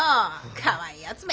かわいいやつめ！